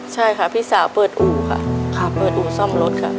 ใช่ค่ะพี่สาวเปิดอู่ซ่อมรถค่ะ